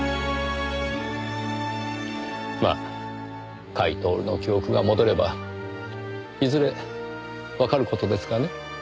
まあ甲斐享の記憶が戻ればいずれわかる事ですがね。